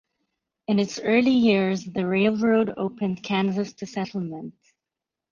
In its early years, the railroad opened Kansas to settlement.